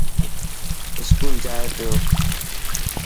اسڪول جائي پيو.